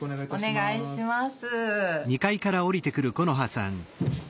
お願いします。